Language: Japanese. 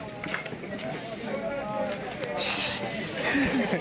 よし！